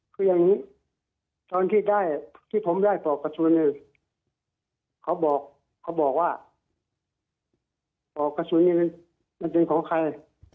คืออย่างนี้ตอนที่ได้ที่ผมได้ปลอกกระสุนเนี่ยเขาบอกเขาบอกว่าปอกกระสุนมันเป็นของใคร